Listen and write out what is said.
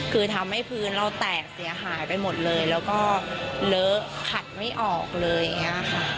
คือทำให้พื้นเราแตกเสียหายไปหมดเลยแล้วก็เลอะขัดไม่ออกเลยอย่างนี้ค่ะ